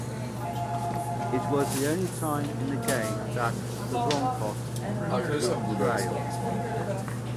It was the only time in the game that the Broncos would trail.